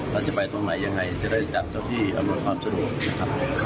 แล้วจะไปตรงไหนยังไงจะได้จัดเจ้าที่อำนวยความสะดวกนะครับ